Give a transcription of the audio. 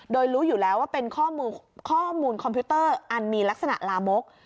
โดยรู้อยู่แล้วว่าเป็นข้อมูลคอมพิวเตอร์อันมีลักษณะลามก